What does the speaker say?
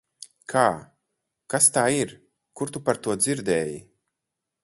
Kā? Kas tā ir? Kur tu par to dzirdēji?